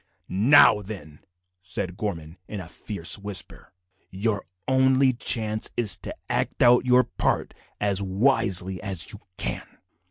"Now, then," said Gorman in a fierce whisper, "your only chance is to act out your part as wisely as you can.